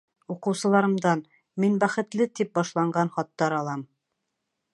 Уҡыусыларымдан: «Мин бәхетле!» тип башланған хаттар алам.